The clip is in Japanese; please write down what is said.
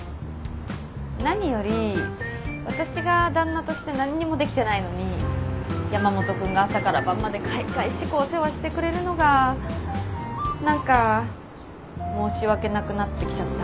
何より私が旦那として何にもできてないのに山本君が朝から晩までかいがいしくお世話してくれるのが何か申し訳なくなってきちゃったみたいな。